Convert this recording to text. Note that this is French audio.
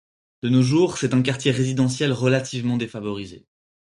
De nos jours c'est un quartier résidentiel relativement défavorisé.